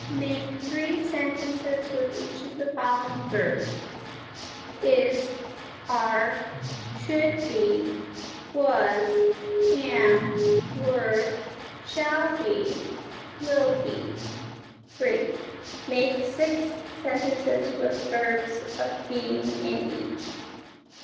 Make three sentences with each of the following verbs: Is, are, should be, was, am, were, shall be, will be. 3. Make six sentences with verbs of being in each.